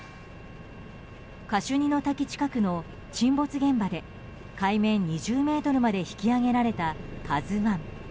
カシュニの滝近くの沈没現場で海面２０ｍまで引き揚げられた「ＫＡＺＵ１」。